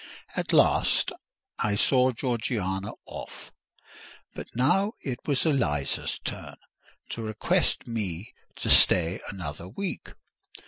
At last I saw Georgiana off; but now it was Eliza's turn to request me to stay another week.